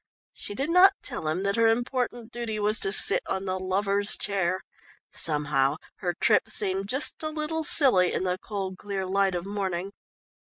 She did not tell him that her important duty was to sit on the Lovers' Chair. Somehow her trip seemed just a little silly in the cold clear light of morning.